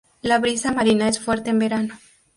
La brisa marina es fuerte en verano.